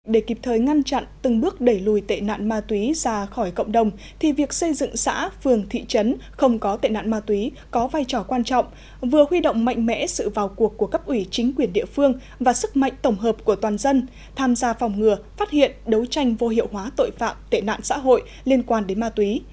để kịp thời ngăn chặn từng bước đẩy lùi tệ nạn ma túy ra khỏi cộng đồng thì việc xây dựng xã phường thị trấn không có tệ nạn ma túy có vai trò quan trọng vừa huy động mạnh mẽ sự vào cuộc của cấp ủy chính quyền địa phương và sức mạnh tổng hợp của toàn dân tham gia phòng ngừa phát hiện đấu tranh vô hiệu hóa tội phạm tệ nạn xã hội liên quan đến ma túy